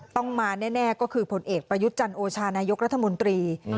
ต้องมาแน่ก็คือผลเอกประยุทธ์จันโอชานายกรัฐมนตรี